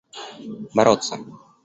бороться